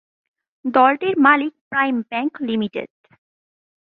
দলটির মালিক Prime Bank limited.